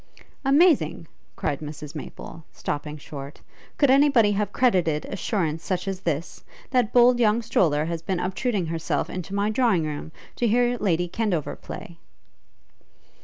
'Amazing!' cried Mrs Maple, stopping short; 'could any body have credited assurance such as this? That bold young stroller has been obtruding herself into my drawing room, to hear Lady Kendover play!'